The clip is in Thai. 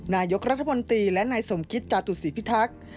นายกรัฐมนตรีและนายสมคิตจาตุศีพิทักษ์